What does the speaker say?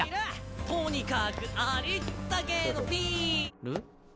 とにかくありったけのビール？